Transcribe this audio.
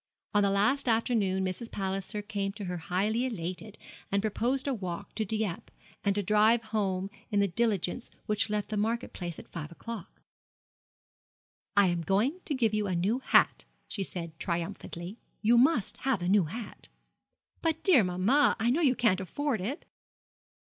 On the last afternoon Mrs. Palliser came to her highly elated, and proposed a walk to Dieppe, and a drive home in the diligence which left the Market Place at five o'clock. 'I am going to give you a new hat,' she said, triumphantly. 'You must have a new hat.' 'But, dear mamma, I know you can't afford it.'